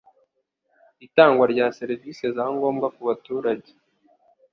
itangwa rya serivisi za ngombwa ku baturage